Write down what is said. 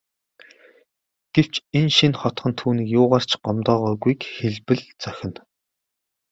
Гэвч энэ шинэ хотхон түүнийг юугаар ч гомдоогоогүйг хэлбэл зохино.